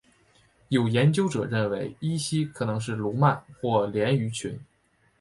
有研究者认为依西可能是鲈鳗或鲢鱼群。